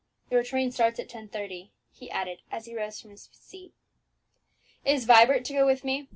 "Your train starts at 10.30," he added, as he rose from his seat. "Is Vibert to go with me?"